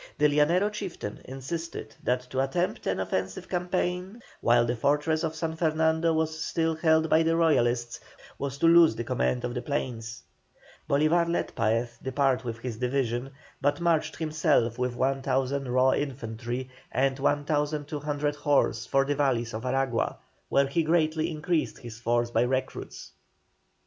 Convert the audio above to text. The Llanero chieftain insisted that to attempt an offensive campaign while the fortress of San Fernando was still held by the Royalists was to lose the command of the plains. Bolívar let Paez depart with his division, but marched himself with 1,000 raw infantry and 1,200 horse for the valleys of Aragua, where he greatly increased his force by recruits.